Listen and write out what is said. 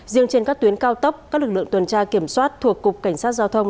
riêng trên các tuyến cao tốc các lực lượng tuần tra kiểm soát thuộc cục cảnh sát giao thông